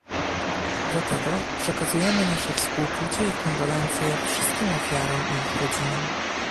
Dlatego, przekazujemy nasze współczucie i kondolencje wszystkim ofiarom i ich rodzinom